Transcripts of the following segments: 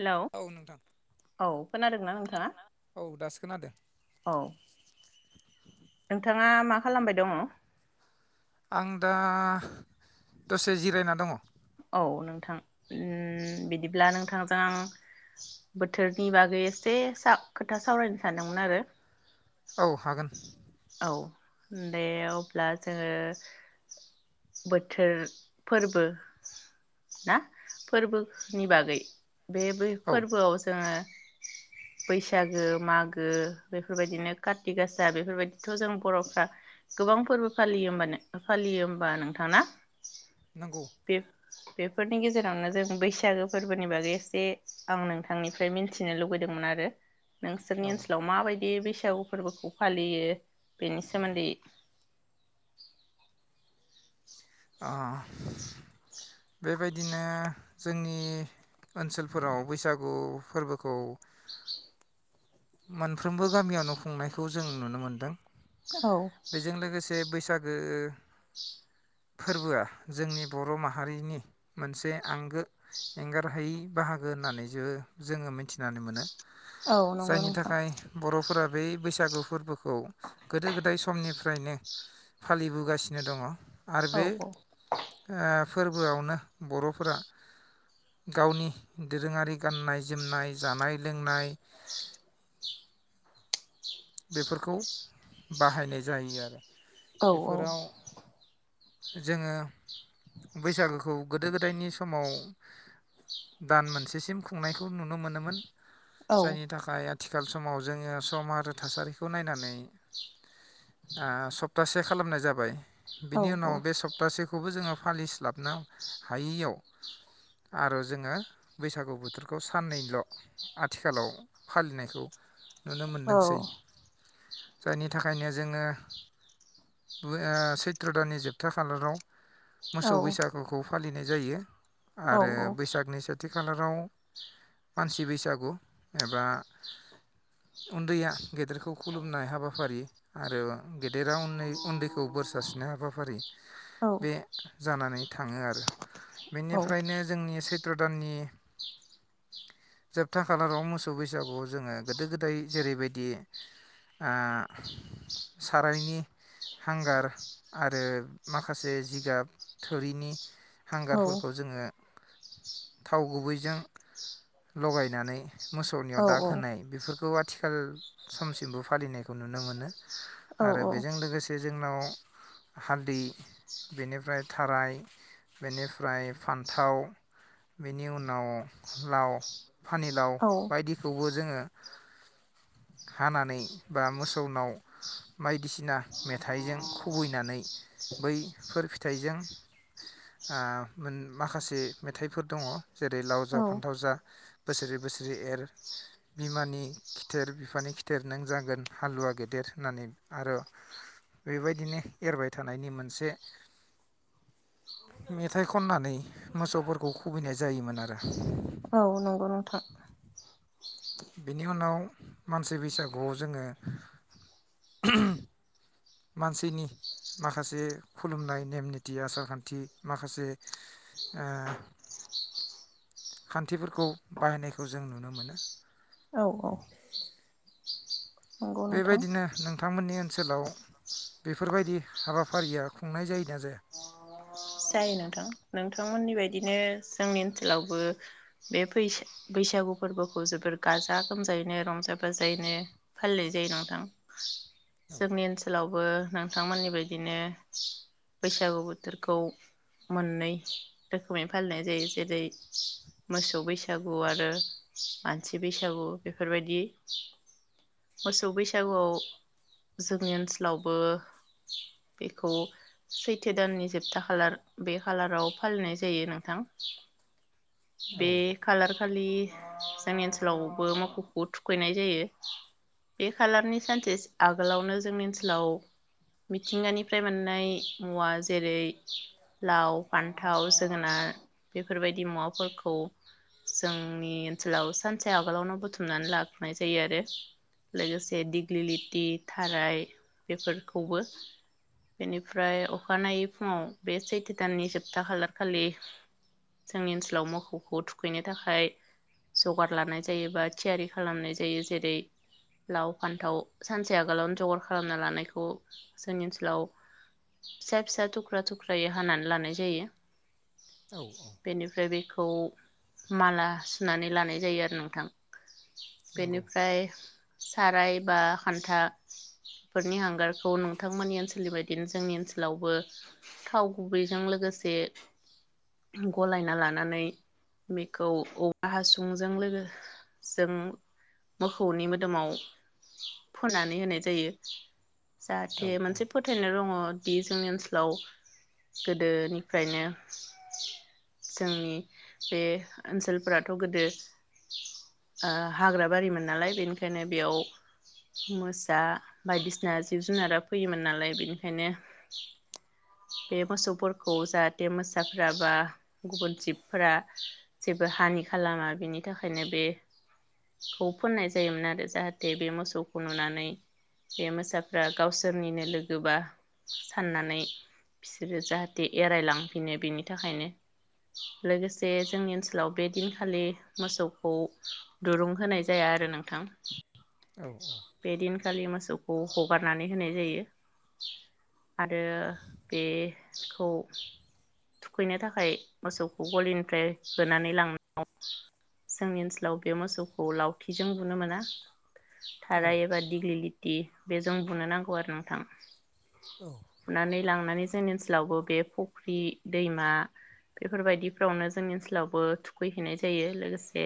Hello औ नोंथां औ खोनादोंना नोंथाङा औ दासो खोनादों औ नोंथाङा मा खालामबाय दङ आं दा दसे जिरायना दङ औ नोंथां उम बिदिब्ला नोंथांजों आं बोथोरनि बागै एसे साव खोथा सावरायनो सानदोंमोन आरो औ हागोन औ दे अब्ला जोङो बोथोर फोरबो ना फोरबोनि बागै बे बै औ फोरबोआव जोङो बैसागो मागो बेफोरबायदिनो काति गासा बेफोरबायदिथ' जों बर'फ्रा गोबां फोरबो फालियो होमबा नो फालियो होमबा नोंथां ना? नोंगौ। बे बेफोरनि गेजेरावनो जों बैसागो फोरबोनि बागै एसे आं नोंथांनिफ्राय मिनथिनो लुबैदोंमोन आरो। औ नोंसोरनि ओ ओनसलाव माबाय बे बैसागु फोरबोखौ फालियो बेनि सोमोन्दै। आ [inaudible] बेबायदिनो जोंनि ओनसोलफोराव बैसागु फोरबोखौ मोनफ्रोमबो गामियावनो खुंनायखौ जों नुनो मोन्दों। औ। बैसागो फोरबोआ जोंनि बर' माहारिनि मोनसे आंगो एंगारहायै बाहागो होननानै जो जोङो मिथिनानै मोनो। औ नोंगौ नोंथां। फोरा बै बैसागु फोरबोखो खौ गोदो गोदाय समनिफ्रायनो फालिबोगासिनो दङ। आरो औ बे औ ओ फोरबोआवनो बर'फोरा गावनि दोरोङारि गाननाय जोमनाय, जानाय लोंनाय बेफोरखौ बाहायनाय जायो आरो। औ औ। बेफोराव जोङो बैसागोखौ गोदो गोदायनि समाव दान मोनसेसिम खुंनायखौ नुनो मोनोमोन। औ जायनि थाखाय आथिखाल समाव जोङो सम आरो थासारिखौ नायनानै ओ सप्तासे खालामनाय जाबाय। औ बिनि उनाव बे सप्तासेखौबो जोङो फालिस्लाबनो हायैयाव आरो जोङो बैसागु बोथोरखौ साननैल' आथिखालाव फालिनायखौ नुनो औ मोनदोंसै। जायनि थाखायनो जोङो ओ सैथ्र' दाननि जोबथा खालाराव औ मोसौ बैसागुखौ फालिनाय जायो। आरो औ बैसागनि सेथि खाालाराव मानसि बैसागु एबा उन्दैया गेदेरखौ खुलुमनाय हाबाफारि आरो गे देरा उन्दै उन्दैखौ बोरसासिननाय हाबाफारि बे जानानै थाङो आरो। बेनिफ्रायनो जोंनि सै त्र दाननि जोबथा खालाराव मोसौ बैसागुआव जोङो गोदो-गोदाय जेरैबायदि ओ सारायनि हांगार आरो माखासे जिगाब थोरिनि हांगारफोरखौ जोङो थाव गुबैजों लगायनानै मोसौनियाव दाग होनाय औ बेफोरखौ आथ आथिखाल समसिमबो फालिनायखौ नुनो मोनो। औ आरो बेजों लोगोसे जोंनाव हालदै बेनिफ्राय थाराय बेनिफ्राय फान्थाव बेनि उनाव लाव फानिलाव बायदिखौबो जोङो हानानै बा मोसौनाव बायदिसिना मेथाइजों खुबैनानै बै फोर फिथाइजों ओ माखासे मेथाइफोर दङ जेरै लाव जा फान्थाव जा बोसोरी बोसोरी एर बिमानि खिथेर बिफानि खिथेर नों जागोन हालुवा गेदेर होननानै आरो बेबायदिनो एरबाय थानायनि मोनसे मेथाइ खननानै मोसौफोरखौ खुबैनाय जायोमोन आरो औ नंगौ नोंथां बिनि उनाव मानसि बैसाग गुवाव जोङो [inaudible] मानसिनि माखासे खुलुमनाय नेम निति आसार खान्थि माखासे ओ खान्थिफोरखौ बाहायनायखौ जों नुनो मोनो औ औ नंगौ नोंथां बेबायदिनो नोंथांमोननि ओन ओनसोलाव बेफोरबायदि हाबाफारिया खुंनाय जायोना जाया? जायो नोंथां नोंथांमोननि बायदिनो जोंनि ओनसोलावबो बेैसा बैसागु फोरबोखौ जोबोर गाजा गोमजायैनो रंजा बाजायैनो फालिनाय जायो नोंथां जोंनि ओनसोलाव बो नोंथांमोननि बायदिनो बैसागु बोथोरखौ मोननै रोखोमै फालिनाय जायो जेरै मोसौ बैसागु आरो मानसि बैसागु बेफोरबायदि मोसौ बैसागुआव जोंनि ओनसोलावबो बेखौ सैथो दाननि जोबथा खालार बे खालाराव फालिनाय जायो नोंथां औ बे खालार खालि जोंनि ओनसोलावबो मोखौखो थुखैनाय जायो बे खालारनि सानसे आगोलावनो जोंनि ओनसोलाव मिथिंगानिफ्राय मोननाय मुवा जेरै लाव फान्थाव जोगोनार बेफोरबायदि मुवाफोरखौ जोंनि ओनसोलाव सानसे आगोलावनो बुथुमनानै लाग्रोनाय जायो आरो लोगोसे दिग्लिलिथि थाराय बेफोरखौबो बेनिफ्राय अखानायै फुङाव बे सैथो दाननि जोबथा खालारखालि जोंनि ओनसोलाव मोखौखो थुखैनो थाखाय जगार लानाय जायो बा थियारि खालामनाय जायो जेरै लाव फान्थाव सानसे आगोलावनो जगार खालामना लानायखौ जोंनि ओनसोलाव फिसा फिसा थुख्रा थुख्रायै हानानै लानाय जायो औ औ बेनिफ्राय बे खौ माला सुनानै लानाय जायो आरो नोंथां नंगौ बेनिफ्राय साराय बा खान्थाफोरनि हांगारखौ नोंथांमोननि ओनसोलनि बायदिनो जोंनि ओनसोलावबो थाव गुबैजों लोगोसे गलायना लानानै बेखौ औवा हासुंजों जों मोखौनि दोमाव फोननानै होनाय जायो। जाहाथे औ औ मोनसे फोथायनाय दङ। बे जोंनि ओनसोलाव गोदोनिफ्रायनो जोंनि बे ओनसोलफोराथ' गोदो ओ हाग्रा बारिमोन नालाय बेनि खायनो बेयाव मोसा बायदिसिना जिब जुनारा फैयोमोन नालाय बेनिखायनो बे मोसौफोरखौ जाहाथे मोसाफोरा बा गुबुन जिबफोरा जेबो हानि खालामा बेनि थाखायनो बे खौ फोननाय जायोमोन आ रो जाहाथे बे मोसौखौ नुनानै बे मोसाफ्रा गावसोरनिनो लोगोबा साननानै बिसोरो जाहाथे एरायलांफिनो बेनि थाखायनो लोगोसे जोंनि ओनसोलाव बे दिनखालि मोसौखौ दुरुं होनाय जाया आरो नोंथां। औ [inaudible] बेदिन खालि मोसौ खौ हगारनानै होनाय जायो। आरो बे खौ थुखैनो थाखाय मोसौखौ गलिनिफ्राय होनानै लांनायाव जोंनि ओनसोलाव बे मोसौखौ लावथिजों बुनो मोना। औ थाराय एबा दिगलि लि थि बेजों बुनो नांगौ आरो नोंथां। औ बुनानै लांनानै जोंनि ओनसोलावबो बे फख्रि, दैमा बेफोरबायदिफ्रावनो जोंनि ओनसोलावबो थुखैहैनाय जायो। लोगोसे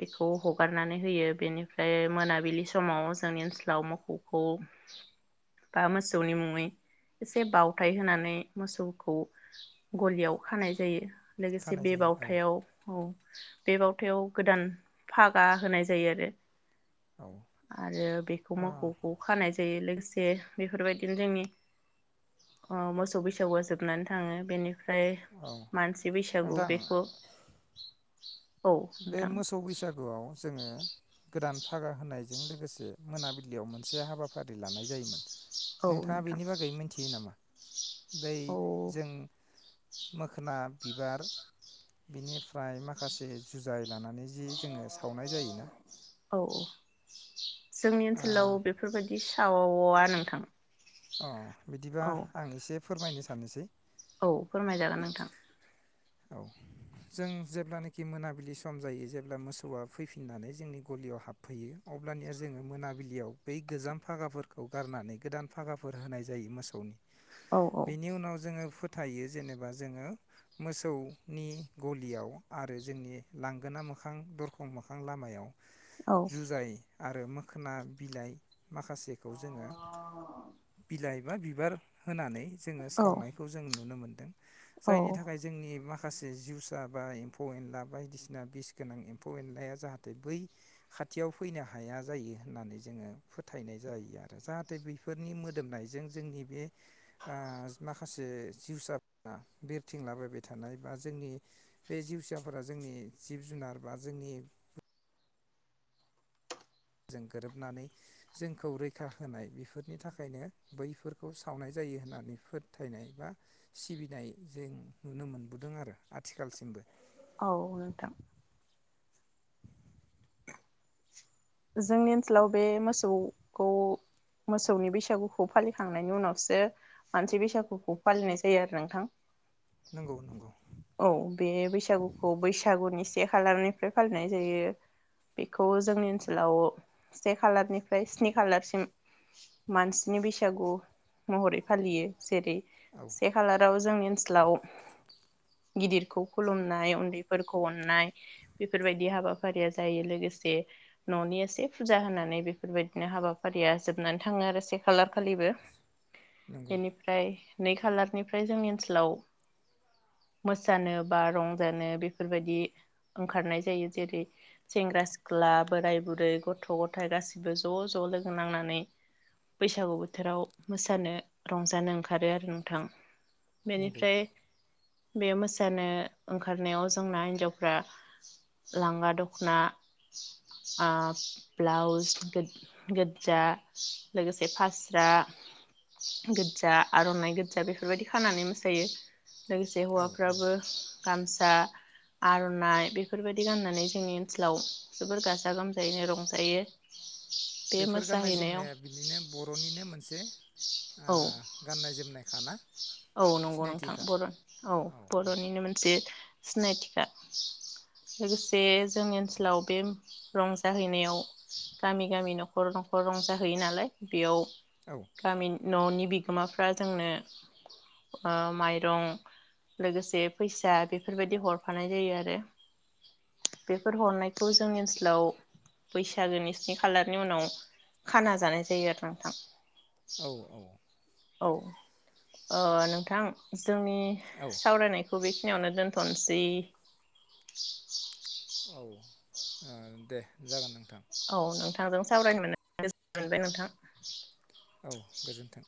बेखौ हगारनानै होयो बेनि फ्राय मोनाबिलि समाव जोंनि ओनसोलाव मोखौ खौ बा मोसौनि मुङै एसे बावथाय होनानै मोसौखौ गलियाव खानाय जायो। लोगोसे खानाय बे जायो औ बावथायाव औ बे बावथायाव गोदान फागा होनाय जायो आरो। औ आरो बेखौ मोखौखौ खानाय जायो लोगो से बेफोरबायदिनो जोंनि ओ मोसौ बैसागुआ जोबनानै थाङो बेनि फ्राय औ मानसि बैसागु नोंथां बेखौ औ बे नोंथां मोसौ बैसागोआव जोङो गोदान फागा होनायजों लोगोसे मोनाबिलियाव मोनसे हाबाफारि लानाय जायोमोन। औ नोंथाङा नोंथां बेनि बागै मिथियो नामा? बै औ जों मोखोना बिबार बिनिफ्राय माखासे जुजाय लानानै जि जोङो सावनाय जायोना? औ जोंनि ओनसोलाव बेफोर बादि सावा नोंथां। अ' बिदिबा औ आं एसे फोरमायनो साननोसै। औ फोरमायजागोन नोंथां औ जों जेब्लानाखि मोनाबिलि सम जायो जेब्ला मोसौआ फैफिननानै जोंनि गलियाव हाबफैयो अब्लानिया जोङो मोनाबिलियाव बै गोजाम फागाफोरखौ गारनानै गोदान फागाफोर होनाय जायो मोसौनि। औ औ बेनि उनाव जोङो फो थायो जेनेबा जोङो मोसौनि गलियाव आरो जोंनि लांगोना मोखां दरखं मोखां लामायाव औ जुजाय आरो मोखोना बिलाइ माखासेखौ जोङो जाहैबा बिबार होनानै जोङो औ सावनायखौ जों नुनो मोन औ जायनि थाखाय जोंनि मा खासे जिउसा बा एम्फौ-एनला बायदिसिना बिस गोनां एम्फौ-एनलाया जाहाथे बै खाथियाव फैनो हाया जायो होननानै जोङो फोथायनाय जायो आरो जाहाथे बै फोरनि मोदोमनायजों जोंनि बे ओ माखासे जिउसाफोरा बिरथिंला बायबाय थानाय बा जोंनि बे जिउसाफोरा जोंनि जिब जुनार बा जोंनि जों गोरोबनानै जोंखौ रैखा होनाय बेफोरनि थाखायनो बैफोरखौ सावनाय जायो होननानै फोथायनाय बा सिबिनाय जों नुनो मोनबोदों आरो आथिखालसिमबो। औ नोंथां जोंनि ओनसोलाव बे मोसौखौ मोसौनि बैसागुखौ फालिखांनायनि उनावसो मानसि बैसागुखौ फालिनाय जायो आरो नोंथां। नंगौ नंगौ औ बे बैसागुखौ बैसागुनि सि से खालारनिफ्राय फालिनाय जायो बेखौ जोंनि ओसोल लाव से खालारनिफ्राय स्नि खालारसिम मानसिनि बैसागु महरै फालियो जेरै औ सेखलाराव जोंनि ओनसोलाव गिदिरखौ खुलुमनाय उन्दैफोरखौ अननाय बेफोरबायदि हाबाफारिया जायो लोगोसे न'नि एसे फुजा होनानै बेफोरबायदिनो हाबाफारिया जोबनानै थाङो आरो से खालार खालिबो नंगौ बेनिफ्राय नै खालारनिफ्राय जोंनि ओनसोलाव मोसानो बा रंजानो बेफोरबायदि ओंखारनाय जायो जेरै सेंग्रा-सिख्ला बोराय-बुरै, गथ'-गथाय गाैबो ज' ज' लोगो नांनानै बैसागु बोथोराव मोसानो रंजानो ओंखारो आरो नोंथां। नंगौ बेनिफ्राय बे मोसानो ओंखारनायाव जोंना हिनजावफ्रा लांगा दख'ना आं ब्लाउस गो-गोजा लोगोसे फास्रा गोजा आर'नाइ गोजा बेफोरबायदि खानानै मोसायो। लोगोसे औ औ हौवाफ्राबो गाम फिसा आर'नाइ बेफोरबायदि गाननानै जोंनि ओनसोलाव जोबोर गाजा गोमजायैनो रंजायो। बे बेफोर गाननाय मोसाहैनायाव जोमनाया औ आं गाननाय जोमनायखाना औ नंगौ नोंथां सिनायथिखा बर' औ बर'निनो मोनसे सिनायथिखा लोगोसे जोंनि ओनसोलाव बे रंजाहैनायाव गामि गामि न'खर न'खर रंजाहैयो नालाय बेयाव औ गामि न'नि बिगोमाफ्रा जोंनो माइरं लोगोसे फैसा बेफोरबायदि हरफानाय जायो ओ मायरं लोगोसे फैसा बेफोर बायदि हरफानाय जायो आरो बेफोर हरनायखौ जोंनि ओनसोलाव बैसागोनि स्नि खालारनि उनाव खाना जानाय जायो आरो नोंथां। औ औ औ औ नोंथां जोंनि औ औ सावरायनाय खौ बेखिनियावनो दोनथ'नोसै औ औ दे जागोन नों औ नों थांजों सावरायनोज मोनबाय नोंथां औ गोजोन्थों।